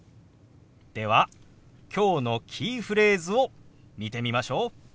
ではきょうのキーフレーズを見てみましょう。